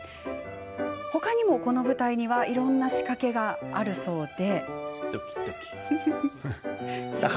他にも、この舞台にはいろいろな仕掛けがあるそうで。